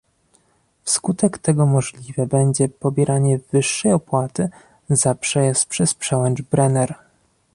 Wskutek tego możliwe będzie pobieranie wyższej opłaty za przejazd przez przełęcz Brenner